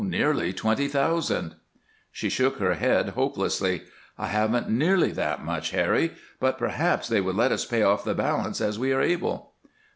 "Nearly twenty thousand." She shook her head hopelessly. "I haven't nearly that much, Harry, but perhaps they would let us pay off the balance as we are able."